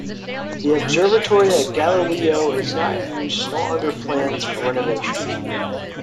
The observatory at Galileo is not in use nor under plans for renovation.